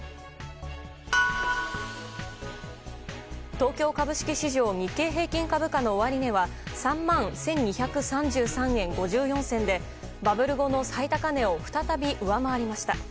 東京株式市場日経平均株価の終値は３万１２３３円５４銭でバブル後の最高値を再び上回りました。